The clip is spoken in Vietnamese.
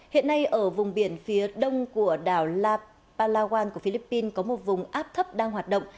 hiện nay ở vùng biển phía đông của đảo palawan của philippines có một vùng áp thấp đang hoạt động